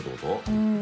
うん。